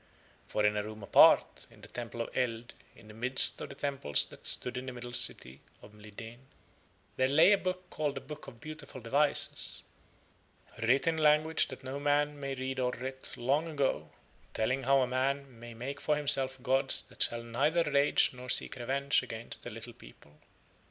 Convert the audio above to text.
For in a room apart in the Temple of Eld in the midst of the temples that stood in the Middle City of Mlideen there lay a book called the Book of Beautiful Devices, writ in a language that no man may read and writ long ago, telling how a man may make for himself gods that shall neither rage nor seek revenge against a little people.